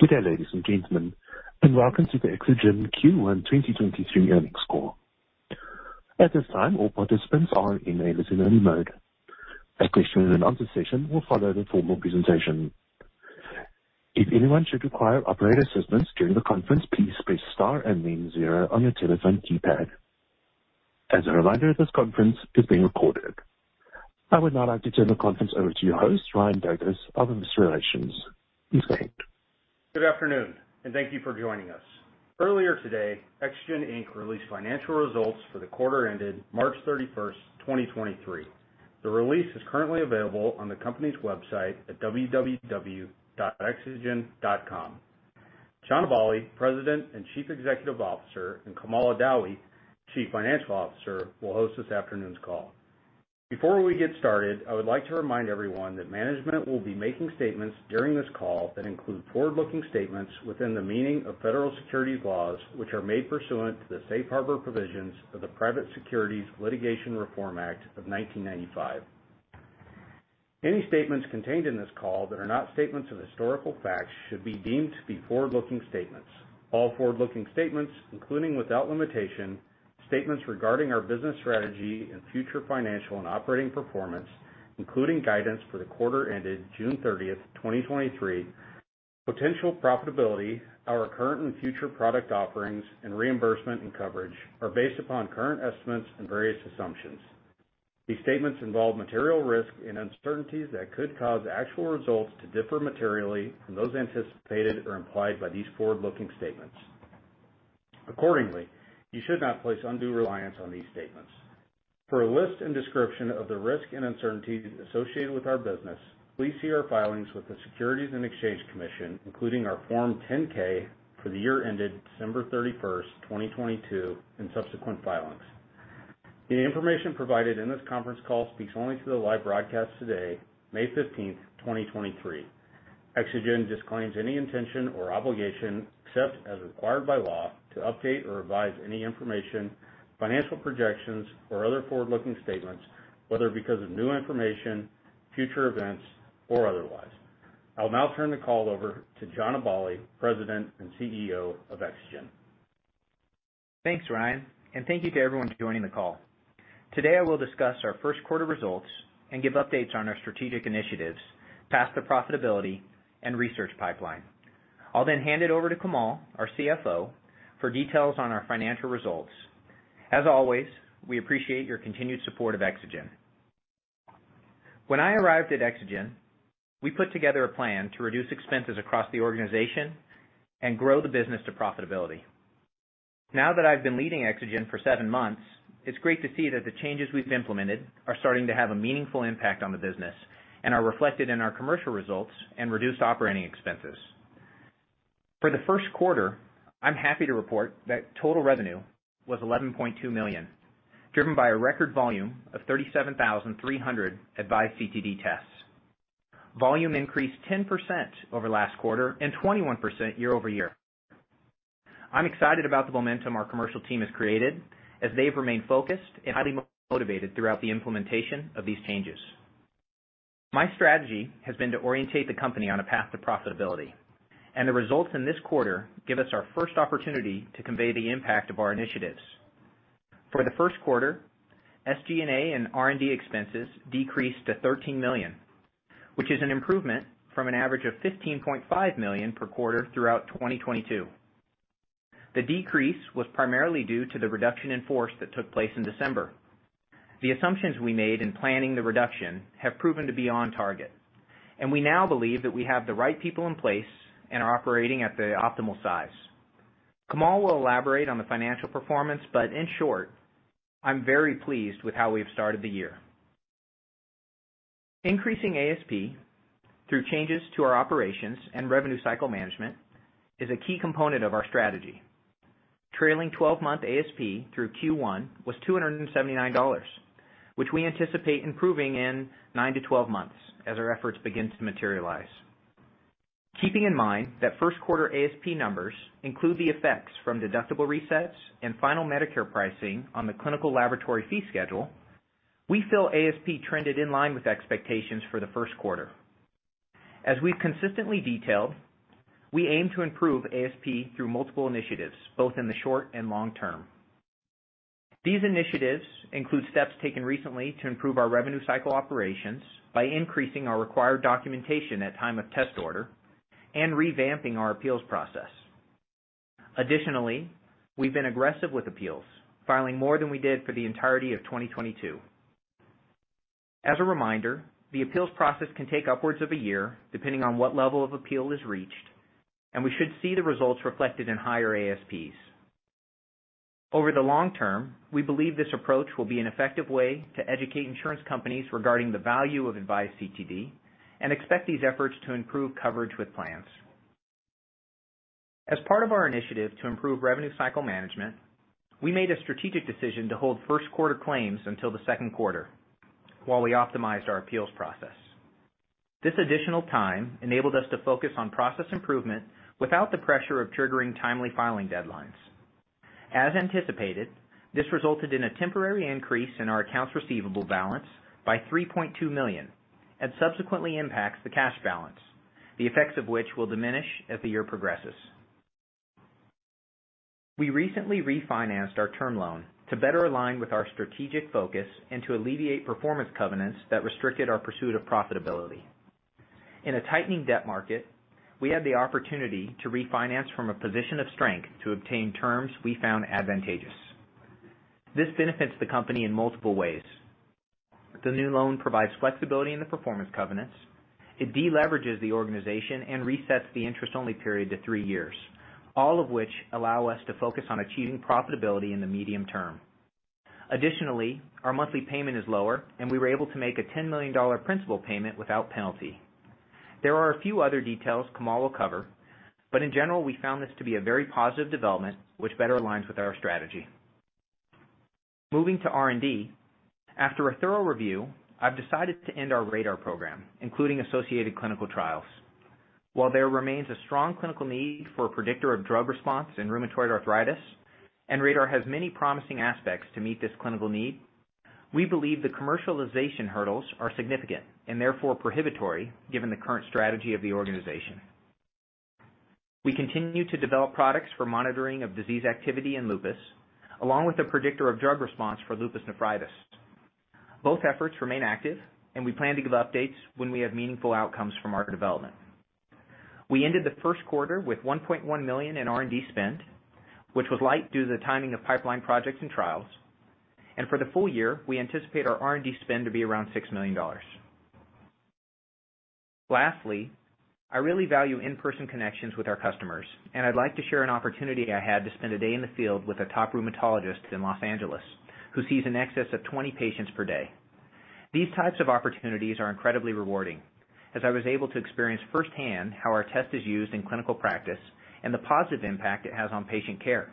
Good day, ladies and gentlemen. Welcome to the Exagen Q1 2023 earnings call. At this time, all participants are in a listen-only mode. A question and answer session will follow the formal presentation. If anyone should require operator assistance during the conference, please press star and then zero on your telephone keypad. As a reminder, this conference is being recorded. I would now like to turn the conference over to your host, Ryan Douglas, Investor Relations. Please proceed. Good afternoon and thank you for joining us. Earlier today, Exagen Inc. released financial results for the quarter ended March 31st, 2023. The release is currently available on the company's website at www.exagen.com. John Aballi, President and Chief Executive Officer, and Kamal Adawi, Chief Financial Officer, will host this afternoon's call. Before we get started, I would like to remind everyone that management will be making statements during this call that include forward-looking statements within the meaning of federal securities laws, which are made pursuant to the Safe Harbor provisions of the Private Securities Litigation Reform Act of 1995. Any statements contained in this call that are not statements of historical fact should be deemed to be forward-looking statements. All forward-looking statements, including without limitation, statements regarding our business strategy and future financial and operating performance, including guidance for the quarter ended June 30, 2023, potential profitability, our current and future product offerings and reimbursement and coverage, are based upon current estimates and various assumptions. These statements involve material risks and uncertainties that could cause actual results to differ materially from those anticipated or implied by these forward-looking statements. Accordingly, you should not place undue reliance on these statements. For a list and description of the risks and uncertainties associated with our business, please see our filings with the Securities and Exchange Commission, including our Form 10-K for the year ended December 31, 2022, and subsequent filings. The information provided in this conference call speaks only to the live broadcast today, May 15, 2023. Exagen disclaims any intention or obligation, except as required by law, to update or revise any information, financial projections or other forward-looking statements, whether because of new information, future events, or otherwise. I'll now turn the call over to John Aballi, President and CEO of Exagen. Thanks, Ryan, thank you to everyone for joining the call. Today, I will discuss our first quarter results and give updates on our strategic initiatives, path to profitability and research pipeline. I'll then hand it over to Kamal, our CFO, for details on our financial results. As always, we appreciate your continued support of Exagen. When I arrived at Exagen, we put together a plan to reduce expenses across the organization and grow the business to profitability. Now that I've been leading Exagen for seven months, it's great to see that the changes we've implemented are starting to have a meaningful impact on the business and are reflected in our commercial results and reduced operating expenses. For the first quarter, I'm happy to report that total revenue was $11.2 million, driven by a record volume of 37,300 AVISE CTD tests. Volume increased 10% over last quarter and 21% year-over-year. I'm excited about the momentum our commercial team has created as they've remained focused and highly motivated throughout the implementation of these changes. My strategy has been to orientate the company on a path to profitability. The results in this quarter give us our first opportunity to convey the impact of our initiatives. For the first quarter, SG&A and R&D expenses decreased to $13 million, which is an improvement from an average of $15.5 million per quarter throughout 2022. The decrease was primarily due to the reduction in force that took place in December. The assumptions we made in planning the reduction have proven to be on target, and we now believe that we have the right people in place and are operating at the optimal size. Kamal will elaborate on the financial performance, but in short, I'm very pleased with how we've started the year. Increasing ASP through changes to our operations and revenue cycle management is a key component of our strategy. Trailing 12-month ASP through Q1 was $279, which we anticipate improving in 9 to 12 months as our efforts begin to materialize. Keeping in mind that first quarter ASP numbers include the effects from deductible resets and final Medicare pricing on the Clinical Laboratory Fee Schedule, we feel ASP trended in line with expectations for the first quarter. As we've consistently detailed, we aim to improve ASP through multiple initiatives, both in the short and long term. These initiatives include steps taken recently to improve our revenue cycle operations by increasing our required documentation at time of test order and revamping our appeals process. We've been aggressive with appeals, filing more than we did for the entirety of 2022. As a reminder, the appeals process can take upwards of a year, depending on what level of appeal is reached, and we should see the results reflected in higher ASPs. Over the long term, we believe this approach will be an effective way to educate insurance companies regarding the value of AVISE CTD and expect these efforts to improve coverage with plans. As part of our initiative to improve revenue cycle management, we made a strategic decision to hold first quarter claims until the second quarter while we optimized our appeals process. This additional time enabled us to focus on process improvement without the pressure of triggering timely filing deadlines. As anticipated, this resulted in a temporary increase in our accounts receivable balance by $3.2 million and subsequently impacts the cash balance, the effects of which will diminish as the year progresses. We recently refinanced our term loan to better align with our strategic focus and to alleviate performance covenants that restricted our pursuit of profitability. In a tightening debt market, we had the opportunity to refinance from a position of strength to obtain terms we found advantageous. This benefits the company in multiple ways. The new loan provides flexibility in the performance covenants. It de-leverages the organization and resets the interest-only period to three years, all of which allow us to focus on achieving profitability in the medium term. Our monthly payment is lower, and we were able to make a $10 million principal payment without penalty. There are a few other details Kamal will cover, but in general, we found this to be a very positive development which better aligns with our strategy. Moving to R&D. After a thorough review, I've decided to end our RADAR program, including associated clinical trials. While there remains a strong clinical need for a predictor of drug response in rheumatoid arthritis, and RADAR has many promising aspects to meet this clinical need, we believe the commercialization hurdles are significant and therefore prohibitory, given the current strategy of the organization. We continue to develop products for monitoring of disease activity in lupus, along with a predictor of drug response for lupus nephritis. Both efforts remain active and we plan to give updates when we have meaningful outcomes from our development. We ended the first quarter with $1.1 million in R&D spend, which was light due to the timing of pipeline projects and trials. For the full year, we anticipate our R&D spend to be around $6 million. Lastly, I really value in-person connections with our customers, and I'd like to share an opportunity I had to spend a day in the field with a top rheumatologist in Los Angeles who sees an excess of 20 patients per day. These types of opportunities are incredibly rewarding as I was able to experience firsthand how our test is used in clinical practice and the positive impact it has on patient care.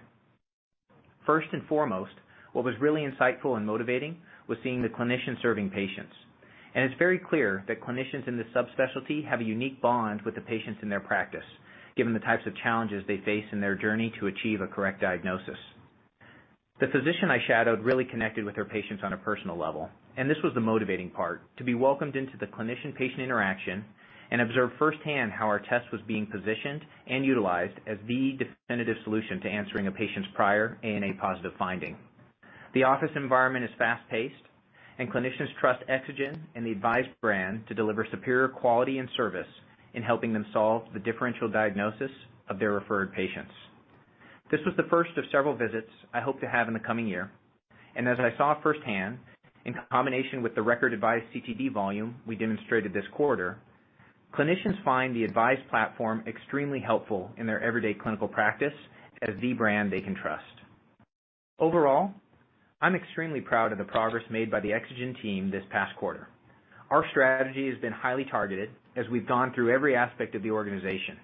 First and foremost, what was really insightful and motivating was seeing the clinician serving patients. It's very clear that clinicians in this subspecialty have a unique bond with the patients in their practice, given the types of challenges they face in their journey to achieve a correct diagnosis. The physician I shadowed really connected with her patients on a personal level, and this was the motivating part, to be welcomed into the clinician-patient interaction and observe firsthand how our test was being positioned and utilized as the definitive solution to answering a patient's prior ANA positive finding. The office environment is fast-paced and clinicians trust Exagen and the AVISE brand to deliver superior quality and service in helping them solve the differential diagnosis of their referred patients. This was the first of several visits I hope to have in the coming year. As I saw firsthand, in combination with the record AVISE CTD volume we demonstrated this quarter, clinicians find the AVISE platform extremely helpful in their everyday clinical practice as the brand they can trust. Overall, I'm extremely proud of the progress made by the Exagen team this past quarter. Our strategy has been highly targeted as we've gone through every aspect of the organization,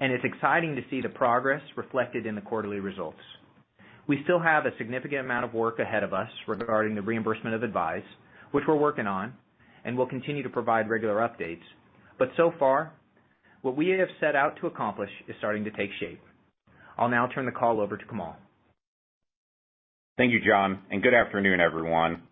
and it's exciting to see the progress reflected in the quarterly results. We still have a significant amount of work ahead of us regarding the reimbursement of AVISE, which we're working on and will continue to provide regular updates. So far, what we have set out to accomplish is starting to take shape. I'll now turn the call over to Kamal. Thank you, John, and good afternoon, everyone.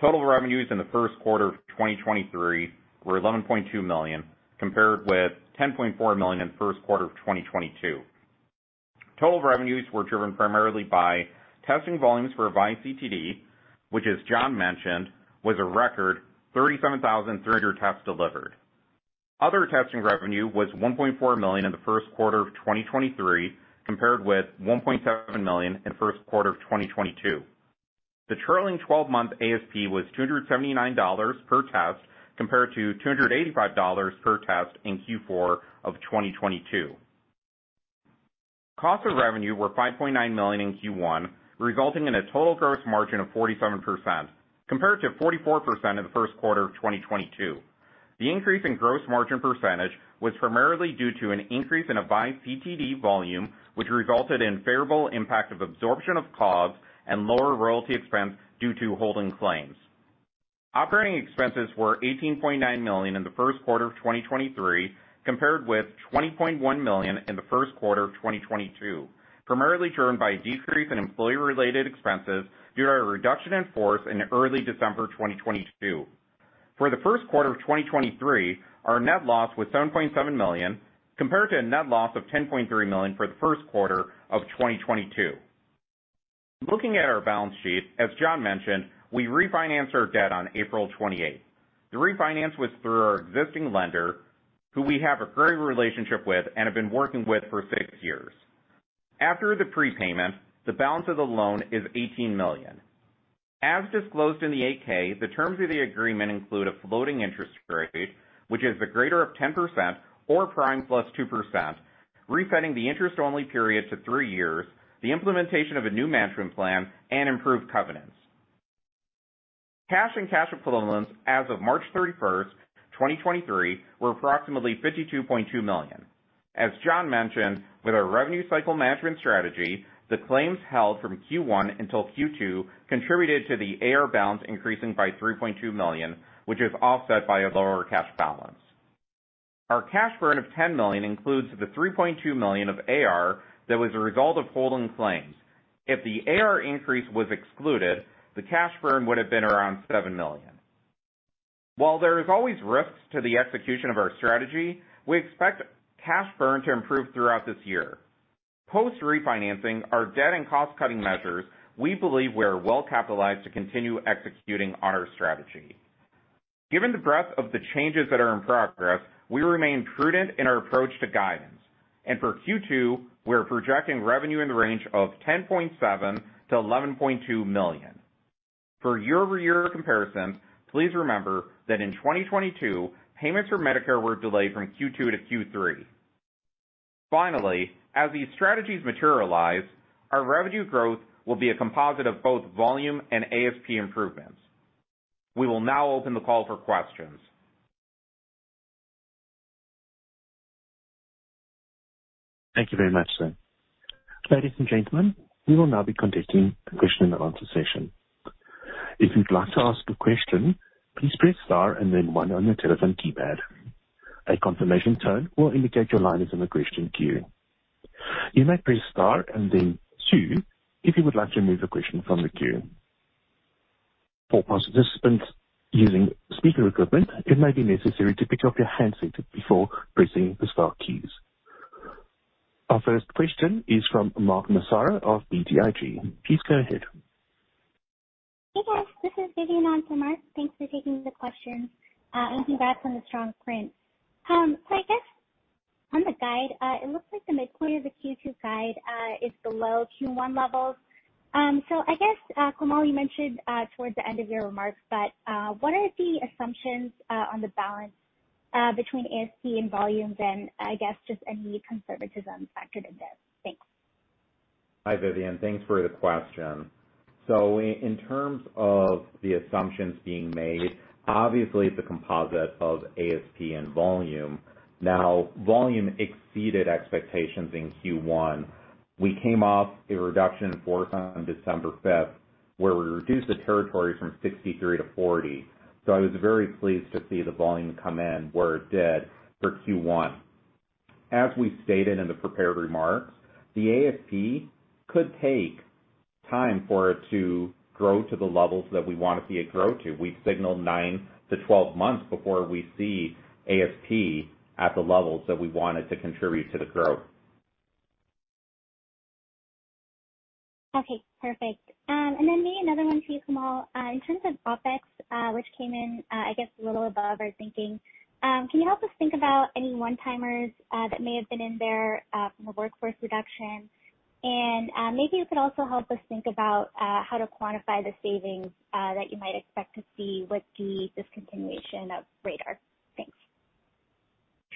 Total revenues in the first quarter of 2023 were $11.2 million, compared with $10.4 million in the first quarter of 2022. Total revenues were driven primarily by testing volumes for AVISE CTD, which, as John mentioned, was a record 37,300 tests delivered. Other testing revenue was $1.4 million in the first quarter of 2023, compared with $1.7 million in the first quarter of 2022. The trailing twelve-month ASP was $279 per test, compared to $285 per test in Q4 of 2022. Cost of revenue were $5.9 million in Q1, resulting in a total gross margin of 47%, compared to 44% in the first quarter of 2022. The increase in gross margin % was primarily due to an increase in AVISE CTD volume, which resulted in favorable impact of absorption of COGS and lower royalty expense due to holding claims. OpEx were $18.9 million in the first quarter of 2023, compared with $20.1 million in the first quarter of 2022, primarily driven by a decrease in employee-related expenses due to a reduction in force in early December 2022. For the first quarter of 2023, our net loss was $7.7 million, compared to a net loss of $10.3 million for the first quarter of 2022. Looking at our balance sheet, as John mentioned, we refinanced our debt on April 28. The refinance was through our existing lender, who we have a great relationship with and have been working with for six years. After the prepayment, the balance of the loan is $18 million. As disclosed in the 8-K, the terms of the agreement include a floating interest rate, which is the greater of 10% or prime plus 2%, resetting the interest-only period to three years, the implementation of a new management plan, and improved covenants. Cash and cash equivalents as of March 31, 2023, were approximately $52.2 million. As John mentioned, with our revenue cycle management strategy, the claims held from Q1 until Q2 contributed to the AR balance increasing by $3.2 million, which is offset by a lower cash balance. Our cash burn of $10 million includes the $3.2 million of AR that was a result of holding claims. If the AR increase was excluded, the cash burn would have been around $7 million. While there is always risks to the execution of our strategy, we expect cash burn to improve throughout this year. Post refinancing our debt and cost-cutting measures, we believe we are well capitalized to continue executing on our strategy. Given the breadth of the changes that are in progress, we remain prudent in our approach to guidance. For Q2, we're projecting revenue in the range of $10.7 million-$11.2 million. For year-over-year comparisons, please remember that in 2022, payments from Medicare were delayed from Q2 to Q3. Finally, as these strategies materialize, our revenue growth will be a composite of both volume and ASP improvements. We will now open the call for questions. Thank you very much, sir. Ladies and gentlemen, we will now be conducting the question and answer session. If you'd like to ask a question, please press star and then 1 on your telephone keypad. A confirmation tone will indicate your line is in the question queue. You may press star and then 2 if you would like to remove a question from the queue. For participants using speaker equipment, it may be necessary to pick up your handset before pressing the star keys. Our first question is from Mark Massaro of BTIG. Please go ahead. Hey, guys. This is Vivian on for Mark. Thanks for taking the questions. Congrats on the strong prints. I guess on the guide, it looks like the midpoint of the Q2 guide is below Q1 levels. I guess, Kamal, you mentioned towards the end of your remarks, but what are the assumptions on the balance between ASP and volumes and I guess just any conservatism factored in there? Thanks. Hi, Vivian. Thanks for the question. In terms of the assumptions being made, obviously it's a composite of ASP and volume. Volume exceeded expectations in Q1. We came off a reduction force on December fifth, where we reduced the territory from 63 to 40. I was very pleased to see the volume come in where it did for Q1. We stated in the prepared remarks, the ASP could take time for it to grow to the levels that we want to see it grow to. We've signaled 9 to 12 months before we see ASP at the levels that we want it to contribute to the growth. Okay, perfect. Maybe another one for you, Kamal, in terms of OpEx, which came in, I guess a little above our thinking, can you help us think about any one-timers that may have been in there from a workforce reduction? Maybe you could also help us think about how to quantify the savings that you might expect to see with the discontinuation of Radar? Thanks.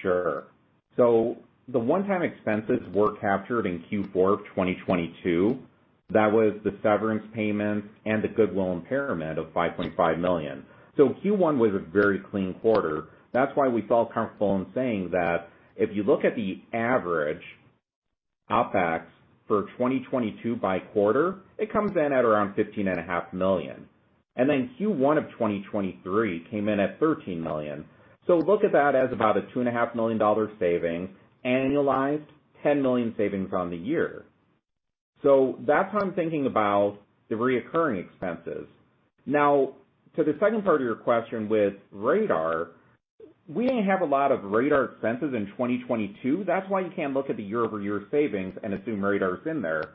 Sure. The one-time expenses were captured in Q4 of 2022. That was the severance payments and the goodwill impairment of $5.5 million. Q1 was a very clean quarter. That's why we felt comfortable in saying that if you look at the average OpEx for 2022 by quarter, it comes in at around fifteen and a half million. Q1 of 2023 came in at $13 million. Look at that as about a two and a half million dollar saving, annualized $10 million savings on the year. That's how I'm thinking about the recurring expenses. Now, to the second part of your question with RADAR, we didn't have a lot of RADAR expenses in 2022. That's why you can't look at the year-over-year savings and assume RADAR is in there.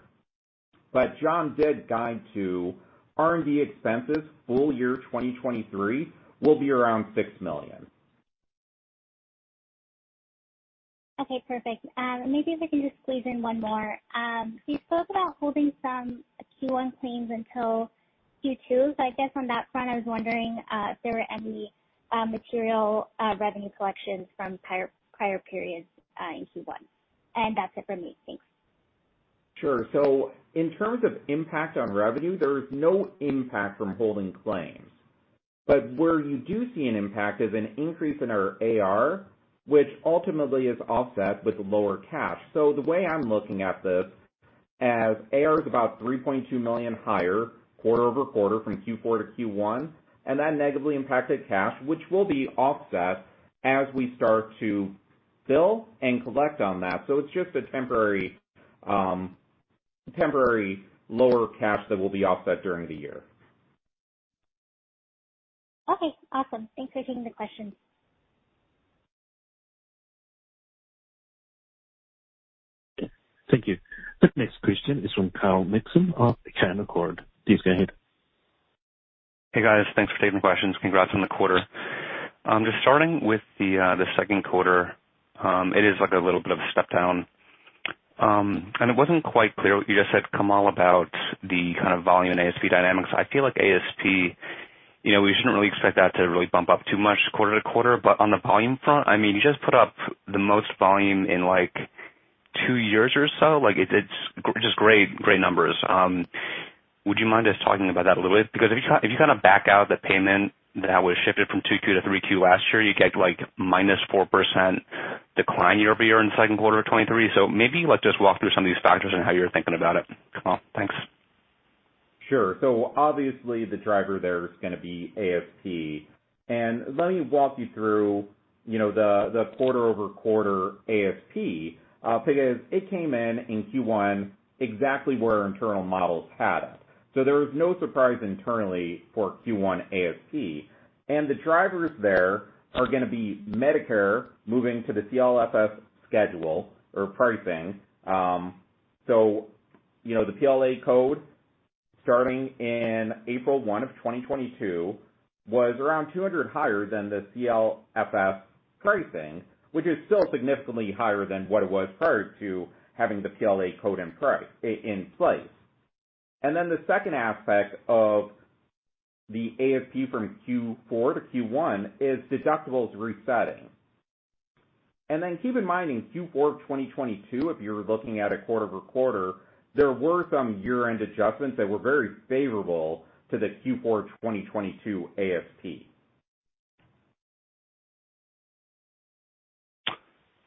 John did guide to R&D expenses full year 2023 will be around $6 million. Okay, perfect. Maybe if I can just squeeze in one more. You spoke about holding some Q1 claims until Q2. I guess on that front, I was wondering if there were any material revenue collections from prior periods in Q1. That's it from me. Thanks. Sure. In terms of impact on revenue, there is no impact from holding claims. Where you do see an impact is an increase in our AR, which ultimately is offset with lower cash. The way I'm looking at this, as AR is about $3.2 million higher quarter-over-quarter from Q4 to Q1, and that negatively impacted cash, which will be offset as we start to bill and collect on that. It's just a temporary lower cash that will be offset during the year. Okay, awesome. Thanks for taking the questions. Thank you. The next question is from Kyle Mikson of Canaccord. Please go ahead. Hey, guys. Thanks for taking the questions. Congrats on the quarter. Just starting with the second quarter. It is like a little bit of a step down. It wasn't quite clear what you just said, Kamal, about the kind of volume in ASP dynamics. I feel like ASP, you know, we shouldn't really expect that to really bump up too much quarter to quarter. On the volume front, I mean, you just put up the most volume in like 2 years or so. Like, it's just great numbers. Would you mind just talking about that a little bit? If you kind of back out the payment that was shifted from 2Q to 3Q last year, you get, like, minus 4% decline year-over-year in the second quarter of 2023. maybe, like, just walk through some of these factors and how you're thinking about it, Kamal. Thanks. Sure. Obviously the driver there is going to be ASP. Let me walk you through the quarter-over-quarter ASP because it came in in Q1 exactly where our internal models had it. There was no surprise internally for Q1 ASP. The drivers there are going to be Medicare moving to the CLFS schedule or pricing. The PLA code starting in April 1, 2022 was around $200 higher than the CLFS pricing, which is still significantly higher than what it was prior to having the PLA code in place. The second aspect of the ASP from Q4 to Q1 is deductibles resetting. Keep in mind, in Q4 of 2022, if you're looking at a quarter-over-quarter, there were some year-end adjustments that were very favorable to the Q4 2022 ASP.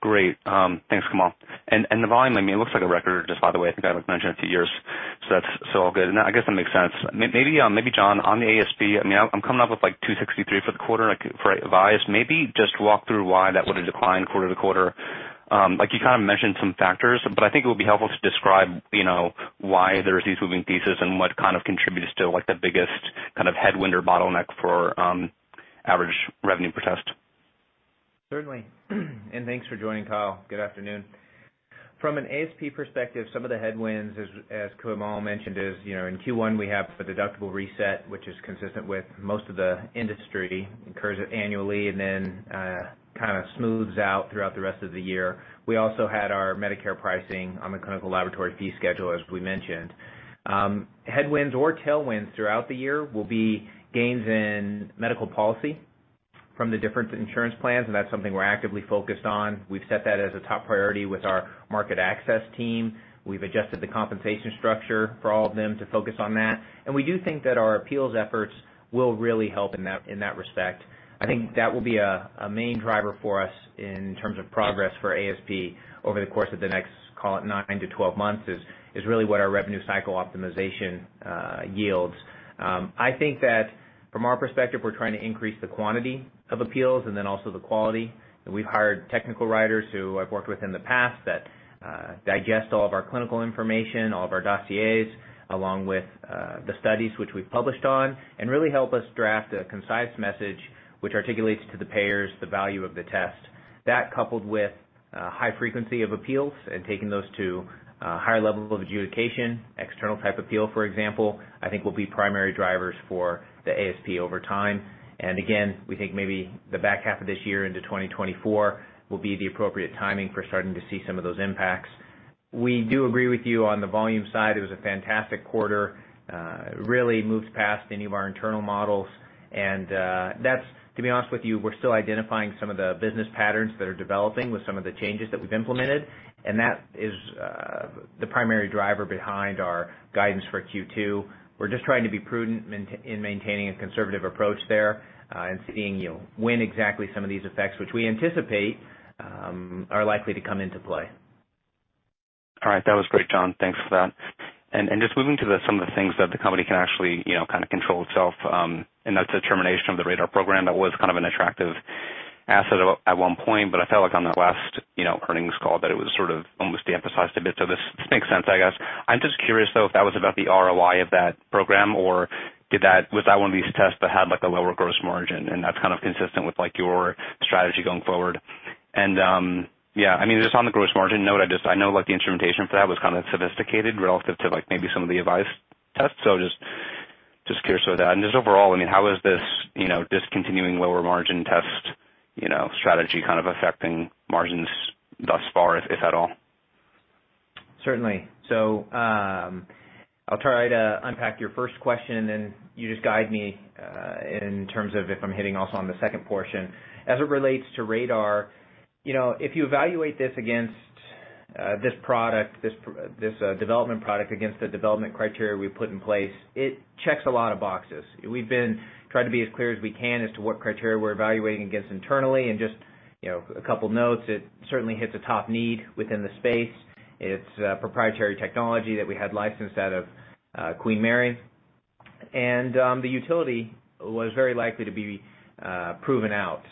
Great. Thanks, Kamal. The volume, I mean, it looks like a record, just by the way, I think I haven't mentioned in a few years. That's all good. I guess that makes sense. Maybe John, on the ASP, I mean, I'm coming up with, like, $263 for the quarter, like, for AVISE. Maybe just walk through why that was a decline quarter to quarter. Like, you kind of mentioned some factors, but I think it would be helpful to describe, you know, why there's these moving pieces and what kind of contributed to, like, the biggest kind of headwind or bottleneck for average revenue per test. Certainly. Thanks for joining, Kyle. Good afternoon. From an ASP perspective, some of the headwinds, as Kamal mentioned is, you know, in Q1 we have the deductible reset, which is consistent with most of the industry, occurs annually and then kind of smooths out throughout the rest of the year. We also had our Medicare pricing on the Clinical Laboratory Fee Schedule, as we mentioned. Headwinds or tailwinds throughout the year will be gains in medical policy from the different insurance plans, and that's something we're actively focused on. We've set that as a top priority with our market access team. We've adjusted the compensation structure for all of them to focus on that. We do think that our appeals efforts will really help in that respect. I think that will be a main driver for us in terms of progress for ASP over the course of the next, call it 9 to 12 months, is really what our revenue cycle optimization yields. I think that from our perspective, we're trying to increase the quantity of appeals and then also the quality. We've hired technical writers who I've worked with in the past that digest all of our clinical information, all of our dossiers, along with the studies which we've published on, and really help us draft a concise message which articulates to the payers the value of the test. That coupled with high frequency of appeals and taking those to higher level of adjudication, external type appeal, for example, I think will be primary drivers for the ASP over time. Again, we think maybe the back half of this year into 2024 will be the appropriate timing for starting to see some of those impacts. We do agree with you on the volume side. It was a fantastic quarter, really moved past any of our internal models. To be honest with you, we're still identifying some of the business patterns that are developing with some of the changes that we've implemented, and that is the primary driver behind our guidance for Q2. We're just trying to be prudent in maintaining a conservative approach there, and seeing, you know, when exactly some of these effects, which we anticipate, are likely to come into play. All right. That was great, John. Thanks for that. just moving to the some of the things that the company can actually, you know, kind of control itself, and that's the termination of the RADAR program. That was kind of an attractive asset at one point, but I felt like on the last, you know, earnings call that it was sort of almost de-emphasized a bit. This makes sense, I guess. I'm just curious, though, if that was about the ROI of that program, or was that one of these tests that had, like, a lower gross margin, and that's kind of consistent with, like, your strategy going forward? Yeah, I mean, just on the gross margin note, I know, like, the instrumentation for that was kind of sophisticated relative to, like, maybe some of the AVISE tests. Just curious about that. Just overall, I mean, how is this, you know, discontinuing lower margin test, you know, strategy kind of affecting margins thus far, if at all? Certainly. I'll try to unpack your first question, and you just guide me in terms of if I'm hitting also on the second portion. As it relates to RADAR, you know, if you evaluate this against this product, this development product against the development criteria we put in place, it checks a lot of boxes. We've been trying to be as clear as we can as to what criteria we're evaluating against internally. Just, you know, 2 notes, it certainly hits a top need within the space. It's proprietary technology that we had licensed out of Queen Mary. The utility was very likely to be proven out.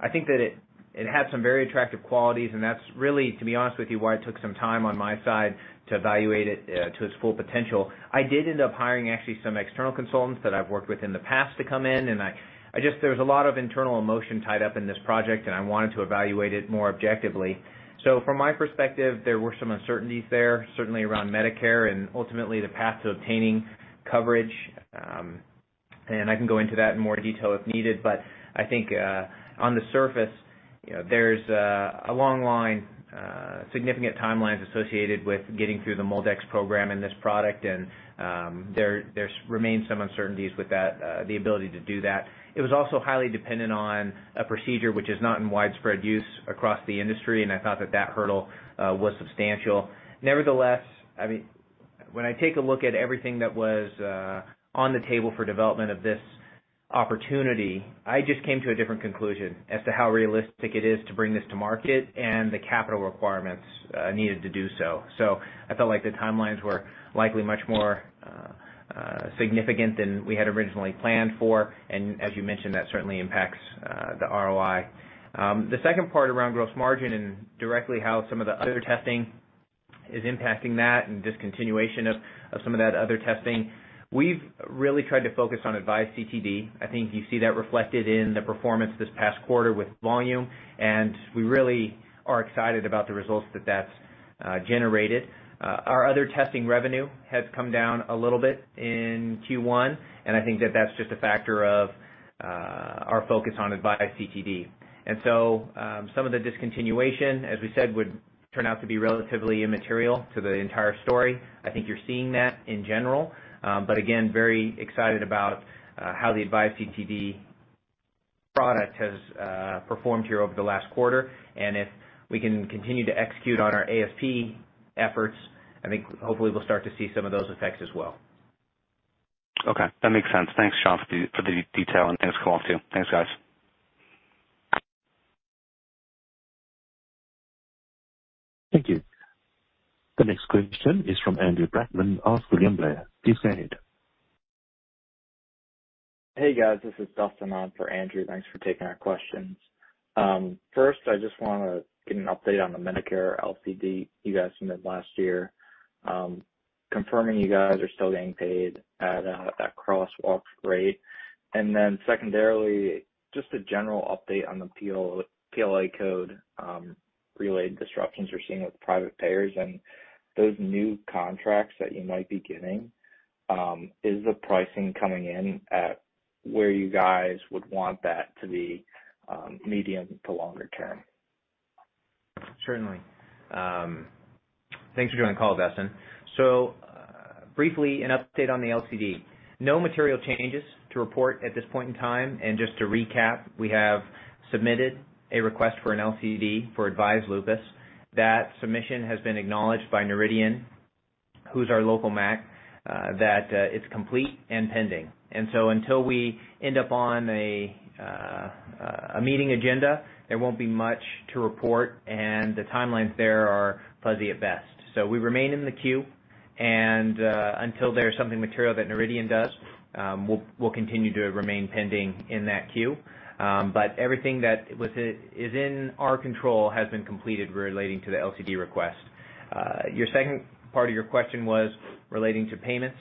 I think that it had some very attractive qualities, and that's really, to be honest with you, why it took some time on my side to evaluate it to its full potential. I did end up hiring, actually, some external consultants that I've worked with in the past to come in, and I just... There was a lot of internal emotion tied up in this project, and I wanted to evaluate it more objectively. From my perspective, there were some uncertainties there, certainly around Medicare and ultimately the path to obtaining coverage. I can go into that in more detail if needed. I think, on the surface, you know, there's a long line, significant timelines associated with getting through the MolDX program and this product. There remains some uncertainties with that, the ability to do that. It was also highly dependent on a procedure which is not in widespread use across the industry, and I thought that that hurdle was substantial. Nevertheless, I mean, when I take a look at everything that was on the table for development of this opportunity, I just came to a different conclusion as to how realistic it is to bring this to market and the capital requirements needed to do so. I felt like the timelines were likely much more significant than we had originally planned for. As you mentioned, that certainly impacts the ROI. The second part around gross margin and directly how some of the other testing is impacting that and discontinuation of some of that other testing, we've really tried to focus on AVISE CTD. I think you see that reflected in the performance this past quarter with volume. We really are excited about the results that that's generated. Our other testing revenue has come down a little bit in Q1. I think that that's just a factor of our focus on AVISE CTD. Some of the discontinuation, as we said, would turn out to be relatively immaterial to the entire story. I think you're seeing that in general. But again, very excited about how the AVISE CTD product has performed here over the last quarter. If we can continue to execute on our ASP efforts, I think hopefully we'll start to see some of those effects as well. Okay, that makes sense. Thanks, John, for the detail, and thanks, Kamal, too. Thanks, guys. Thank you. The next question is from Andrew Brackman of William Blair. Please go ahead. Hey, guys. This is Dustin on for Andrew. Thanks for taking our questions. First, I just want to get an update on the Medicare LCD you guys submitted last year, confirming you guys are still getting paid at that crosswalk rate. Then secondarily, just a general update on the PO-PLA code related disruptions you're seeing with private payers and those new contracts that you might be getting, is the pricing coming in at where you guys would want that to be, medium to longer term? Certainly. Thanks for joining the call, Dustin. Briefly, an update on the LCD. No material changes to report at this point in time. Just to recap, we have submitted a request for an LCD for AVISE Lupus. That submission has been acknowledged by Noridian, who's our local MAC, that it's complete and pending. Until we end up on a meeting agenda, there won't be much to report, and the timelines there are fuzzy at best. We remain in the queue, and until there's something material that Noridian does, we'll continue to remain pending in that queue. But everything that is in our control has been completed relating to the LCD request. Your second part of your question was relating to payments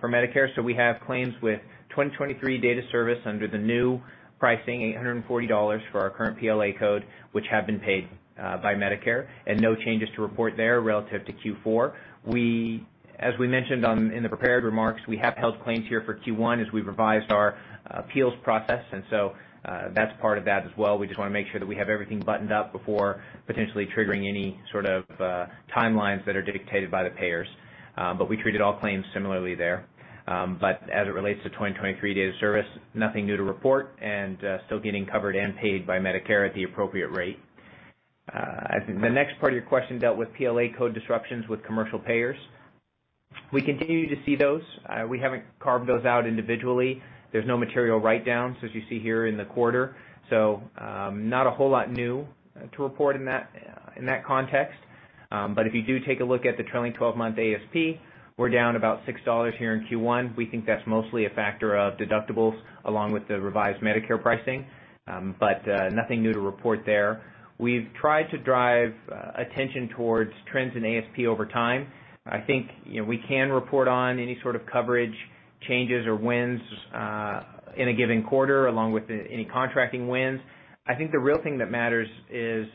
for Medicare. We have claims with 2023 date of service under the new pricing, $840 for our current PLA code, which have been paid by Medicare, and no changes to report there relative to Q4. As we mentioned in the prepared remarks, we have held claims here for Q1 as we revised our appeals process, and so that's part of that as well. We just wanna make sure that we have everything buttoned up before potentially triggering any sort of timelines that are dictated by the payers. We treated all claims similarly there. As it relates to 2023 date of service, nothing new to report and still getting covered and paid by Medicare at the appropriate rate. I think the next part of your question dealt with PLA code disruptions with commercial payers. We continue to see those. We haven't carved those out individually. There's no material write-downs, as you see here in the quarter. Not a whole lot new to report in that in that context. If you do take a look at the trailing 12-month ASP, we're down about $6 here in Q1. We think that's mostly a factor of deductibles along with the revised Medicare pricing. Nothing new to report there. We've tried to drive attention towards trends in ASP over time. I think, you know, we can report on any sort of coverage changes or wins in a given quarter, along with any contracting wins. I think the real thing that matters is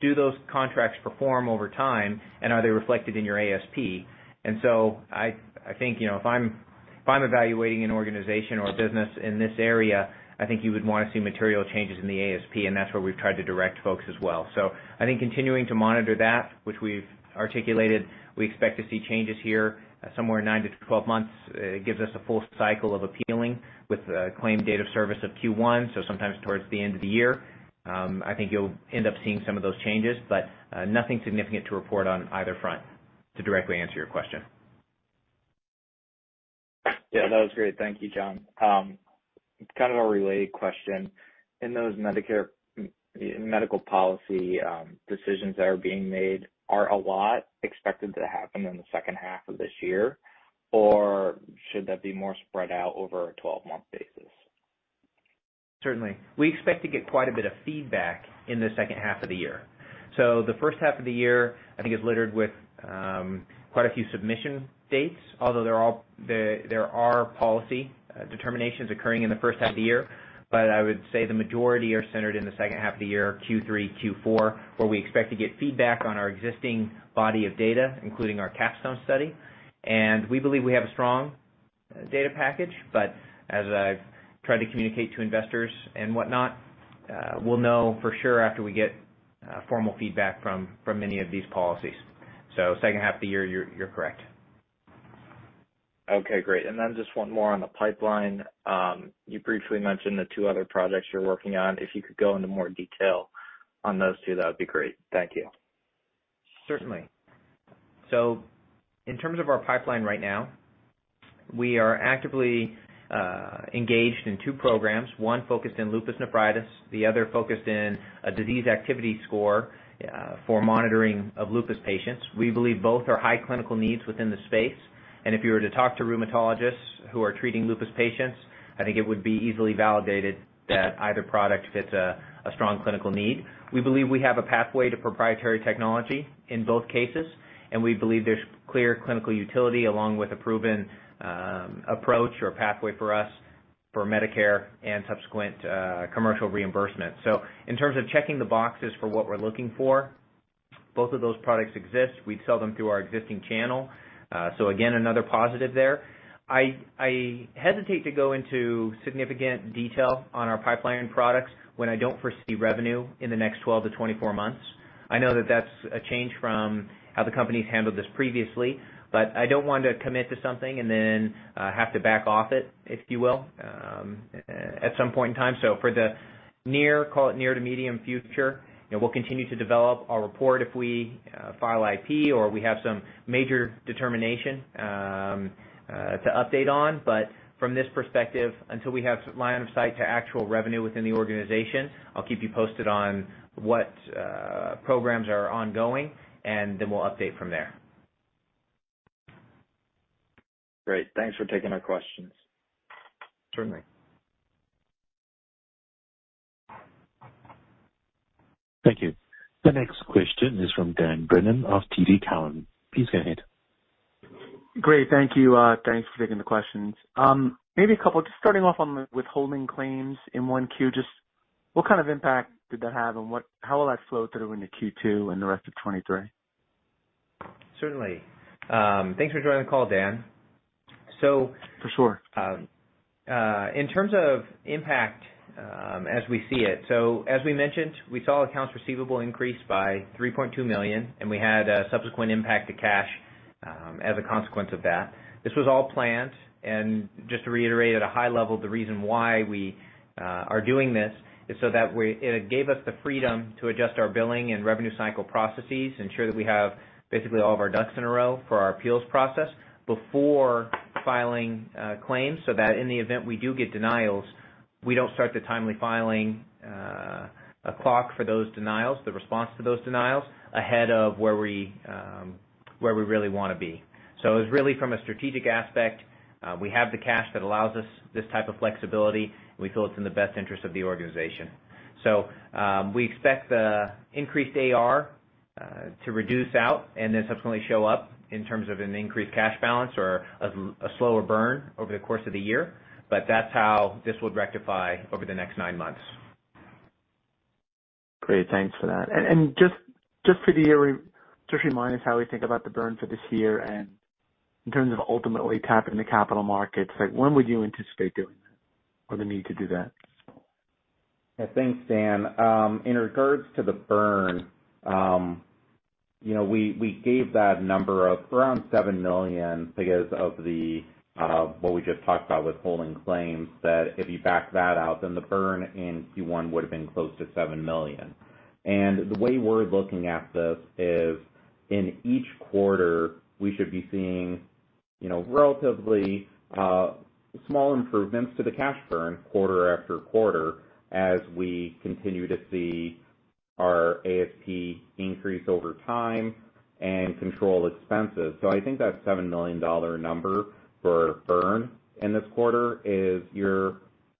do those contracts perform over time and are they reflected in your ASP? I think, you know, if I'm evaluating an organization or a business in this area, I think you would wanna see material changes in the ASP, and that's where we've tried to direct folks as well. I think continuing to monitor that, which we've articulated, we expect to see changes here somewhere 9 to 12 months, gives us a full cycle of appealing with a claimed date of service of Q1. Sometimes towards the end of the year, I think you'll end up seeing some of those changes, but nothing significant to report on either front to directly answer your question. Yeah, that was great. Thank you, John. Kind of a related question. In those Medicare medical policy decisions that are being made, are a lot expected to happen in the second half of this year, or should that be more spread out over a 12-month basis? Certainly. We expect to get quite a bit of feedback in the second half of the year. The first half of the year, I think, is littered with quite a few submission dates, although there are policy determinations occurring in the first half of the year. I would say the majority are centered in the second half of the year, Q3, Q4, where we expect to get feedback on our existing body of data, including our CAPSTONE study. We believe we have a strong data package, but as I've tried to communicate to investors and whatnot, we'll know for sure after we get formal feedback from many of these policies. Second half of the year, you're correct. Okay, great. Then just one more on the pipeline. You briefly mentioned the two other projects you're working on. If you could go into more detail on those two, that would be great. Thank you. Certainly. In terms of our pipeline right now, we are actively engaged in two programs, one focused in lupus nephritis, the other focused in a disease activity score for monitoring of lupus patients. We believe both are high clinical needs within the space. If you were to talk to rheumatologists who are treating lupus patients, I think it would be easily validated that either product fits a strong clinical need. We believe we have a pathway to proprietary technology in both cases, and we believe there's clear clinical utility along with a proven approach or pathway for us for Medicare and subsequent commercial reimbursement. In terms of checking the boxes for what we're looking for, both of those products exist. We'd sell them through our existing channel. Again, another positive there. I hesitate to go into significant detail on our pipeline products when I don't foresee revenue in the next 12 to 24 months. I know that that's a change from how the company's handled this previously, but I don't want to commit to something and then have to back off it, if you will, at some point in time. For the near, call it near to medium future, you know, we'll continue to develop, I'll report if we file IP or we have some major determination to update on. From this perspective, until we have line of sight to actual revenue within the organization, I'll keep you posted on what programs are ongoing, and then we'll update from there. Great. Thanks for taking my questions. Certainly. Thank you. The next question is from Dan Brennan of TD Cowen. Please go ahead. Great. Thank you. Thanks for taking the questions. Maybe a couple just starting off on the withholding claims in 1 Q. Just what kind of impact did that have and how will that flow through into Q2 and the rest of 2023? Certainly. Thanks for joining the call, Dan. For sure. In terms of impact, as we see it, as we mentioned, we saw accounts receivable increase by $3.2 million, and we had a subsequent impact to cash, as a consequence of that. This was all planned. Just to reiterate at a high level, the reason why we are doing this is so that it gave us the freedom to adjust our billing and revenue cycle processes, ensure that we have basically all of our ducks in a row for our appeals process before filing claims, so that in the event we do get denials, we don't start the timely filing clock for those denials, the response to those denials ahead of where we really wanna be. It's really from a strategic aspect, we have the cash that allows us this type of flexibility. We feel it's in the best interest of the organization. We expect the increased AR to reduce out and then subsequently show up in terms of an increased cash balance or a slower burn over the course of the year. That's how this would rectify over the next nine months. Great. Thanks for that. Just for the year, just remind us how we think about the burn for this year and in terms of ultimately tapping the capital markets, like when would you anticipate doing that or the need to do that? Yeah, thanks, Dan. In regards to the burn, you know, we gave that number of around $7 million because of the what we just talked about, withholding claims, that if you back that out, then the burn in Q1 would have been close to $7 million. The way we're looking at this is in each quarter, we should be seeing, you know, relatively, small improvements to the cash burn quarter after quarter as we continue to see our ASP increase over time and control expenses. I think that $7 million number for burn in this quarter is your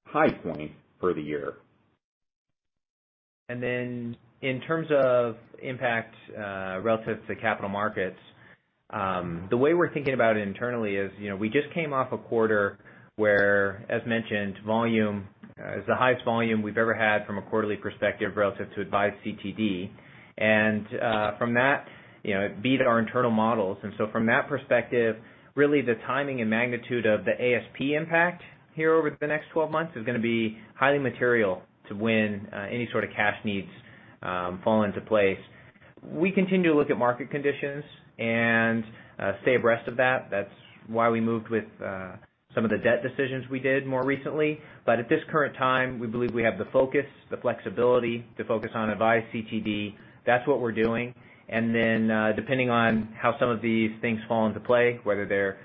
high point for the year. Then in terms of impact relative to capital markets, the way we're thinking about it internally is, you know, we just came off a quarter where, as mentioned, volume is the highest volume we've ever had from a quarterly perspective relative to AVISE CTD. From that, you know, it beat our internal models. So from that perspective, really the timing and magnitude of the ASP impact here over the next 12 months is gonna be highly material to when any sort of cash needs fall into place. We continue to look at market conditions and stay abreast of that. That's why we moved with some of the debt decisions we did more recently. At this current time, we believe we have the focus, the flexibility to focus on AVISE CTD. That's what we're doing. Depending on how some of these things fall into play, whether they're,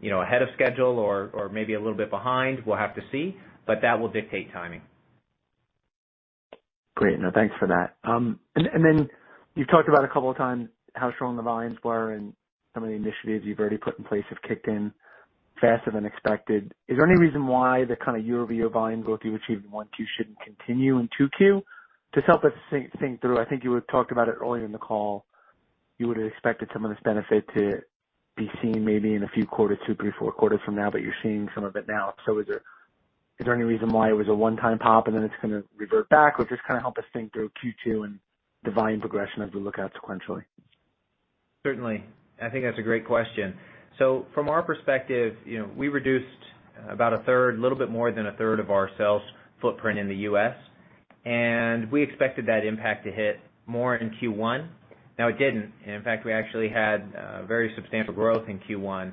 you know, ahead of schedule or maybe a little bit behind, we'll have to see, but that will dictate timing. Great. No, thanks for that. Then you've talked about a couple of times how strong the volumes were and some of the initiatives you've already put in place have kicked in faster than expected. Is there any reason why the kind of year-over-year volume growth you achieved in Q1, Q2 shouldn't continue in Q2? Just help us think through. I think you had talked about it earlier in the call. You would have expected some of this benefit to be seen maybe in a few quarters, two, three, four quarters from now, but you're seeing some of it now. Is there any reason why it was a one-time pop and then it's gonna revert back, or just kinda help us think through Q2 and the volume progression as we look out sequentially? Certainly. I think that's a great question. From our perspective, you know, we reduced about a third, a little bit more than a third of our sales footprint in the U.S., and we expected that impact to hit more in Q1. Now it didn't. In fact, we actually had very substantial growth in Q1.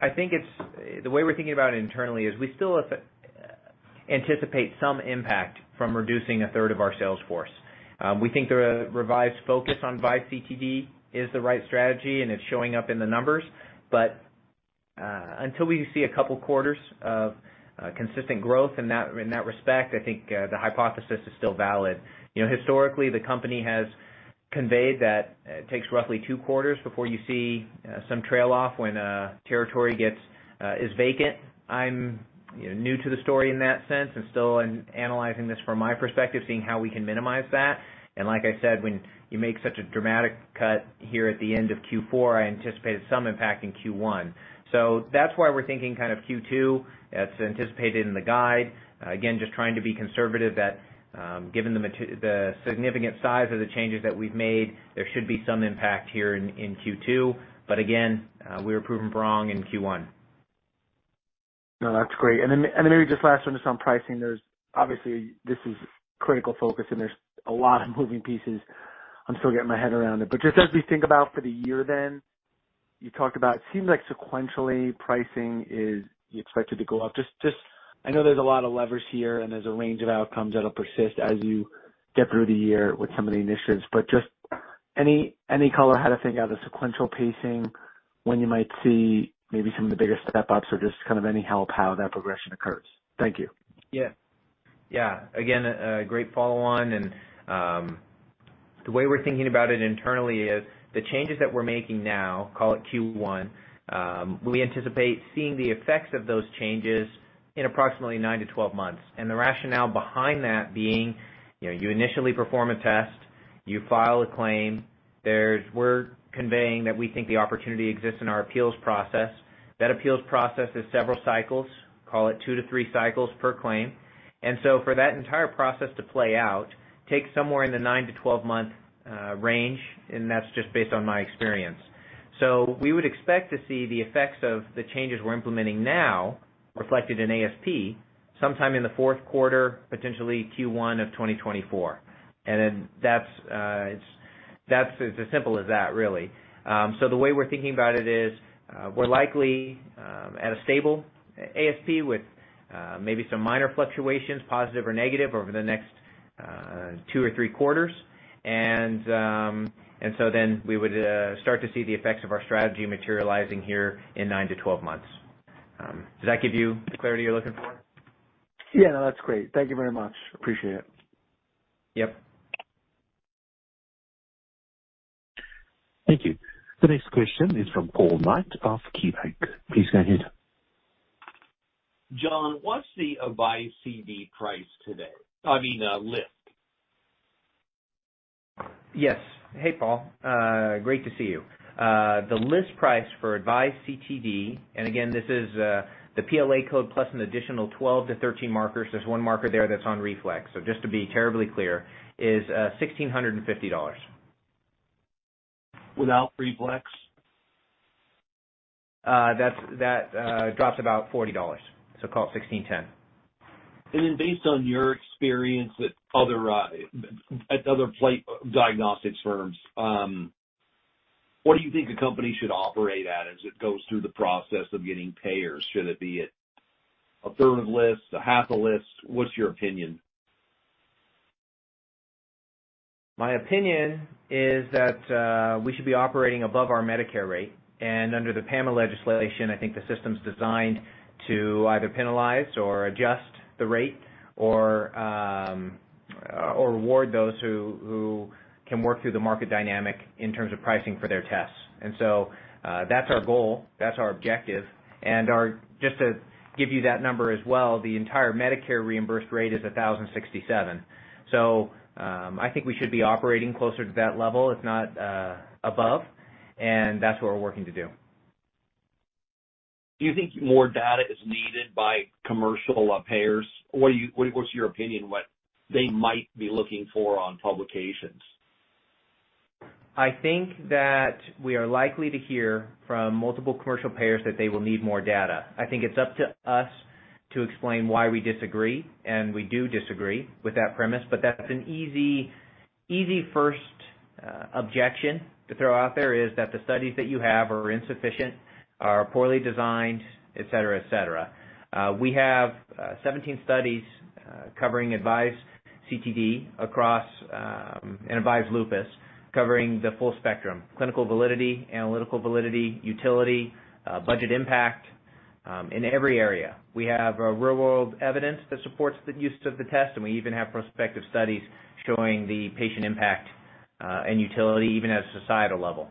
I think the way we're thinking about it internally is we still have to anticipate some impact from reducing a third of our sales force. We think the revised focus on AVISE CTD is the right strategy, and it's showing up in the numbers. Until we see a couple quarters of consistent growth in that, in that respect, I think the hypothesis is still valid. You know, historically, the company has conveyed that it takes roughly two quarters before you see some trail off when a territory gets vacant. I'm, you know, new to the story in that sense and still am analyzing this from my perspective, seeing how we can minimize that. Like I said, when you make such a dramatic cut here at the end of Q4, I anticipated some impact in Q1. That's why we're thinking kind of Q2. That's anticipated in the guide. Again, just trying to be conservative that, given the significant size of the changes that we've made, there should be some impact here in Q2. Again, we were proven wrong in Q1. No, that's great. Then, then maybe just last one just on pricing. There's obviously this is critical focus and there's a lot of moving pieces. I'm still getting my head around it. Just as we think about for the year then, you talked about seems like sequentially pricing is you expect it to go up. Just I know there's a lot of levers here and there's a range of outcomes that'll persist as you get through the year with some of the initiatives, but just any color how to think of the sequential pacing, when you might see maybe some of the bigger step-ups or just kind of any help how that progression occurs? Thank you. Yeah. Yeah. Again, a great follow on. The way we're thinking about it internally is the changes that we're making now, call it Q1, we anticipate seeing the effects of those changes in approximately 9 to 12 months. The rationale behind that being, you know, you initially perform a test, you file a claim. We're conveying that we think the opportunity exists in our appeals process. That appeals process is several cycles, call it 2 to 3 cycles per claim. For that entire process to play out takes somewhere in the 9 to 12 month range, and that's just based on my experience. We would expect to see the effects of the changes we're implementing now reflected in ASP sometime in the fourth quarter, potentially Q1 of 2024. That's as simple as that, really. The way we're thinking about it is, we're likely at a stable ASP with maybe some minor fluctuations, positive or negative over the next two or 3 quarters. We would start to see the effects of our strategy materializing here in nine to 12 months. Does that give you the clarity you're looking for? Yeah, that's great. Thank you very much. Appreciate it. Yep. Thank you. The next question is from Paul Knight of KeyBank. Please go ahead. John, what's the AVISE CTD price today? I mean, list. Yes. Hey, Paul. great to see you. The list price for AVISE CTD, this is the PLA code plus an additional 12-13 markers. There's one marker there that's on reflex. Just to be terribly clear is $1,650. Without reflex? That's drops about $40. Call it $16.10. Based on your experience at other diagnostics firms, what do you think the company should operate at as it goes through the process of getting payers? Should it be at a third of list, a half a list? What's your opinion? My opinion is that we should be operating above our Medicare rate. Under the PAMA legislation, I think the system's designed to either penalize or adjust the rate or reward those who can work through the market dynamic in terms of pricing for their tests. That's our goal, that's our objective. Just to give you that number as well, the entire Medicare reimbursed rate is $1,067. I think we should be operating closer to that level, if not above. That's what we're working to do. Do you think more data is needed by commercial payers? What is your opinion, what they might be looking for on publications? I think that we are likely to hear from multiple commercial payers that they will need more data. I think it's up to us to explain why we disagree, and we do disagree with that premise. That's an easy first objection to throw out there, is that the studies that you have are insufficient, are poorly designed, et cetera. We have 17 studies covering AVISE CTD across, and AVISE Lupus covering the full spectrum, clinical validity, analytical validity, utility, budget impact, in every area. We have real-world evidence that supports the use of the test, and we even have prospective studies showing the patient impact, and utility even at a societal level.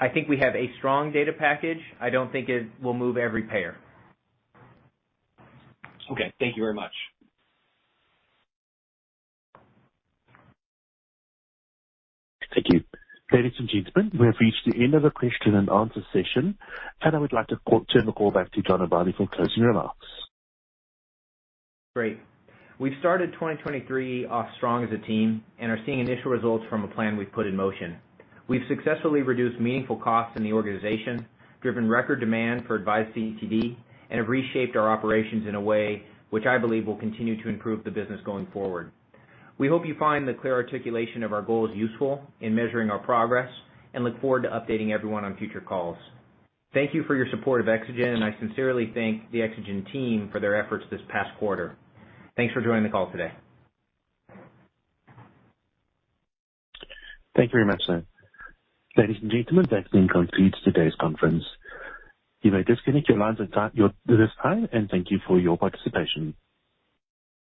I think we have a strong data package. I don't think it will move every payer. Okay. Thank you very much. Thank you. Ladies and gentlemen, we have reached the end of the question and answer session, and I would like to turn the call back to John Aballi for closing remarks. Great. We've started 2023 off strong as a team and are seeing initial results from a plan we've put in motion. We've successfully reduced meaningful costs in the organization, driven record demand for AVISE CTD, and have reshaped our operations in a way which I believe will continue to improve the business going forward. We hope you find the clear articulation of our goals useful in measuring our progress and look forward to updating everyone on future calls. Thank you for your support of Exagen, and I sincerely thank the Exagen team for their efforts this past quarter. Thanks for joining the call today. Thank you very much, sir. Ladies and gentlemen, that then concludes today's conference. You may disconnect your lines at this time, and thank you for your participation.